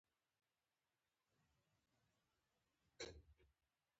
کثرت پالنې په برخه کې پرمختګونه کړي دي.